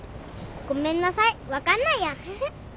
ごめんなさい分かんないやヘヘ。